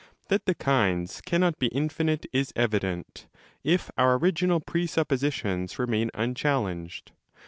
That the kinds cannot be infinite is evident, if our original presuppositions remain 274° unchallenged.